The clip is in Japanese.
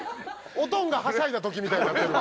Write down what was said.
おとんがはしゃいだ時みたいになってる。